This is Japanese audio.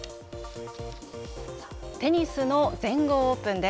テニスの全豪オープンです。